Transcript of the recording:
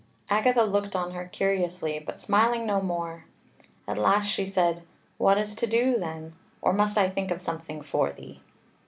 Agatha looked on her curiously, but smiling no more. At last she said: "What is to do, then? or must I think of something for thee?"